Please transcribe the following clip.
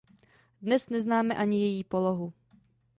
Dnes neznáme ani její polohu.